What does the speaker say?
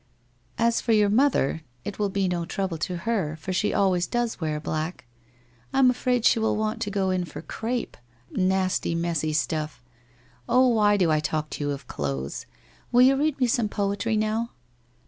1 As for your mother, it will be no trouble to her, for she always does wear black. I am afraid she will want to go in for crape — nasty messy stuff! Oh, why do I talk to you of clothes ! Will you read me some poetry now?'